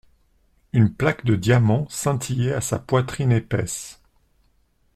Une plaque de diamants scintillait à sa poitrine épaisse.